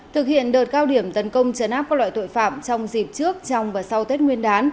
thực hiện đợt cao điểm tấn công trấn áp các loại tội phạm trong dịp trước trong và sau tết nguyên đán